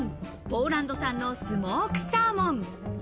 ポーランド産のスモークサーモン。